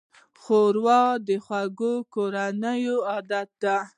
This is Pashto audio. ښوروا د خوږې کورنۍ عادت ده.